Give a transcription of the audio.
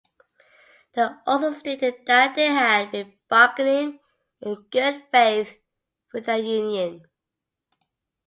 They also stated that they had been bargaining in good faith with the union.